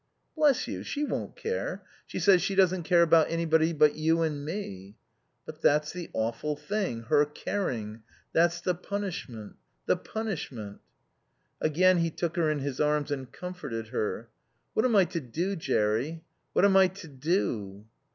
"Bless you, she won't care. She says she doesn't care about anybody but you and me." "But that's the awful thing, her caring. That's the punishment. The punishment." Again he took her in his arms and comforted her. "What am I to do, Jerry? What am I to _do?